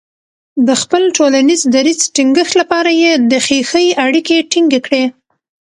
د خپل ټولنیز دریځ ټینګښت لپاره یې د خیښۍ اړیکې ټینګې کړې.